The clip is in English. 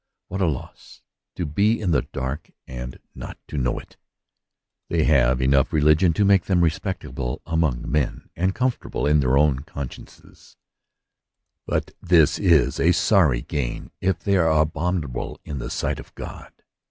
What a loss, to be in the dark and not to know it ! They have enough religion to make them respectable among men, and comfortable in their own con sciences ; but this is a sorry gain if they are abom inable in the sight of God.